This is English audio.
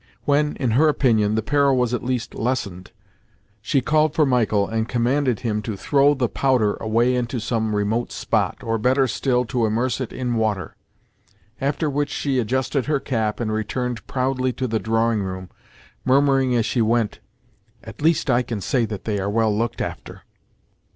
When, in her opinion, the peril was at least lessened, she called for Michael and commanded him to throw the "powder" away into some remote spot, or, better still, to immerse it in water; after which she adjusted her cap and returned proudly to the drawing room, murmuring as she went, "At least I can say that they are well looked after."